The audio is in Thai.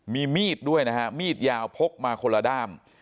มีมีดด้วยนะฮะมีดยาวพกมาคนละด้าม